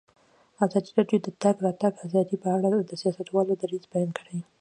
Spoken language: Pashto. ازادي راډیو د د تګ راتګ ازادي په اړه د سیاستوالو دریځ بیان کړی.